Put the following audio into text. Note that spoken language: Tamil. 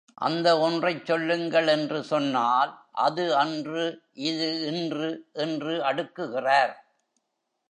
அந்த ஒன்றைச் சொல்லுங்கள் என்று சொன்னால், அது அன்று இது இன்று என்று அடுக்குகிறார்.